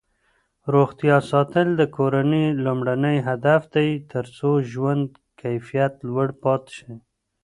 روغتیا ساتل د کورنۍ لومړنی هدف دی ترڅو ژوند کیفیت لوړ پاتې شي.